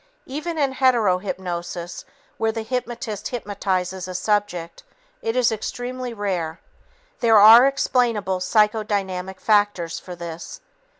Even in hetero hypnosis, where the hypnotist hypnotizes a subject, it is extremely rare. There are explainable psychodynamic factors for this.